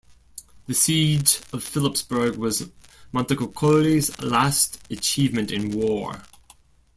The siege of Philippsburg was Montecuccoli's last achievement in war.